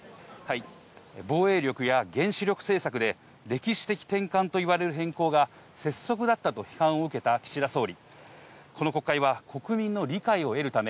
防衛力や原子力政策で、歴史的転換といわれる変更が拙速だったと批判を受けた岸田総理。